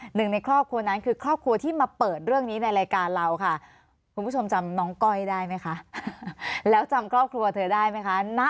หนึ่งในครอบครัวนั้นคือครอบครัวที่มาเปิดเรื่องนี้ในรายการเราค่ะคุณผู้ชมจำน้องก้อยได้ไหมคะแล้วจำครอบครัวเธอได้ไหมคะ